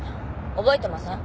覚えてません？